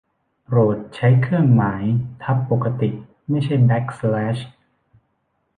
โปรดใช้เครื่องหมายทับปกติไม่ใช่แบ็กสแลช